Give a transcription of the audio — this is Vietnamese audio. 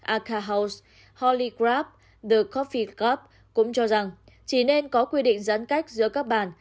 aca house holy crab the coffee cup cũng cho rằng chỉ nên có quy định giãn cách giữa các bàn